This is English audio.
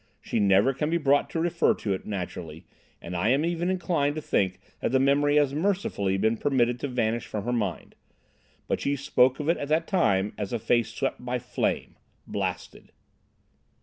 She never can be brought to refer to it, naturally, and I am even inclined to think that the memory has mercifully been permitted to vanish from her mind. But she spoke of it at the time as a face swept by flame—blasted."